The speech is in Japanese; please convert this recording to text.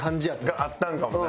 があったんかもな。